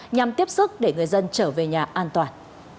nhằm tiếp sức để người dân trở về nhà an toàn